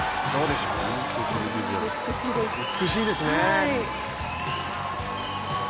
美しいです。